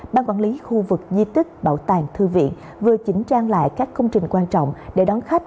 ban quản lý khu vực di tích bảo tàng thư viện vừa chỉnh trang lại các công trình quan trọng để đón khách